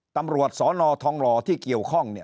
ตำรวจสนทองหล่อที่เกี่ยวข้อง